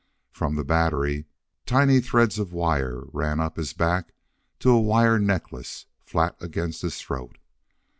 From the battery, tiny threads of wire ran up his back to a wire necklace flat against his throat.